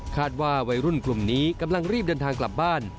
ว่าวัยรุ่นกลุ่มนี้กำลังรีบเดินทางกลับบ้าน